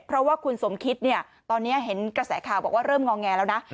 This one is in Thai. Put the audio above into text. เพราะว่าคุณสมคิดเนี่ยตอนนี้เห็นกระแสข่าวบอกว่าเริ่มงอแงแล้วนะ